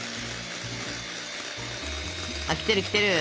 あっ来てる来てる。